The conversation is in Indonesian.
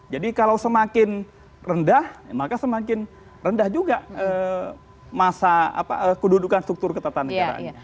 jadi kalau semakin rendah maka semakin rendah juga masa kedudukan struktur ketatanegaranya